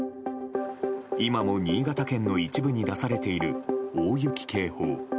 今も新潟県の一部に出されている大雪警報。